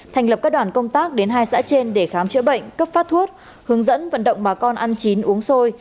thành lập các đoàn công tác đến hai xã trên để khám chữa bệnh cấp phát thuốc hướng dẫn vận động bà con ăn chín uống xôi